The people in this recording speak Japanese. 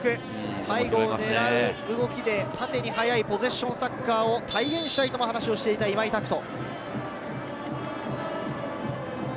背後を狙う動きで縦に速いポゼッションサッカーを体現したいと話をしていた今井拓人。